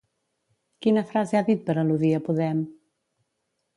Quina frase ha dit per al·ludir a Podem?